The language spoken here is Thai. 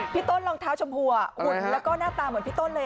พี่ต้นรองเท้าชมพูหุ่นแล้วก็หน้าตาเหมือนพี่ต้นเลย